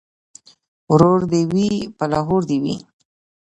ـ ورور دې وي په لاهور دې وي.